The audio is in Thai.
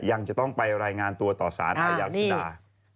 ยังจะต้องไปรายงานตัวต่อสารอาญาธิดา